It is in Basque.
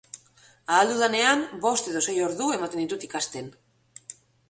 Ahal dudanean, bost edo sei ordu ematen ditut ikasten.